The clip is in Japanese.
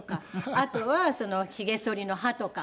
あとはひげそりの刃とか。